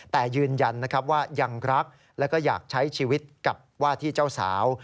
แต่ยืนยันนะครับว่ายังรักแล้วก็อยากใช้ชีวิตกับว่าที่เจ้าสาว